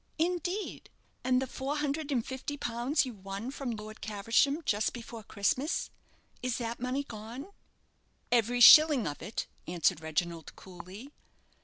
"Indeed; and the four hundred and fifty pounds you won from Lord Caversham just before Christmas is that money gone?" "Every shilling of it," answered Reginald, coolly.